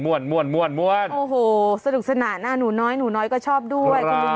โอ้โฮสนุกสนานหนูน้อยหนูน้อยก็ชอบด้วย